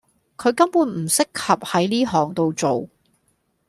佢根本唔適合喺呢行到做